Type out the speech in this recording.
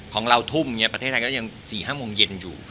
ของเราทุ่มประเทศไทยก็ยัง๔๕โมงเย็นอยู่